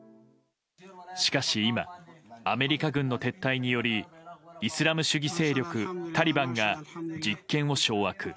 しかし、今アメリカ軍の撤退によりイスラム主義勢力タリバンが実権を掌握。